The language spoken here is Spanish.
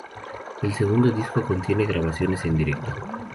El segundo disco contiene grabaciones en directo.